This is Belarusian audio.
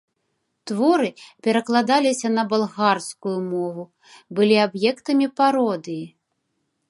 Творы перакладаліся на балгарскую мову, былі аб'ектамі пародыі.